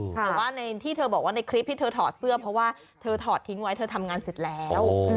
แต่ว่าในที่เธอบอกว่าในคลิปที่เธอถอดเสื้อเพราะว่าเธอถอดทิ้งไว้เธอทำงานเสร็จแล้ว